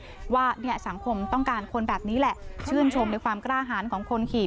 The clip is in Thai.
เพราะว่าเนี่ยสังคมต้องการคนแบบนี้แหละชื่นชมในความกล้าหารของคนขี่